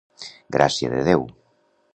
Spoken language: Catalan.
Gràcia de Déu.